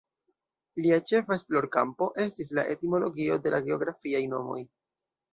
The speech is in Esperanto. Lia ĉefa esplorkampo estis la etimologio de la geografiaj nomoj.